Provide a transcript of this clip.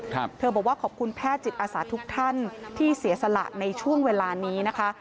เธอบอกว่าขอบคุณแพทย์จิตอาสาทุกท่านที่เสียสละในช่วงเวลานี้นะคะ